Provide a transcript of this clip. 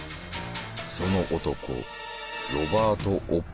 その男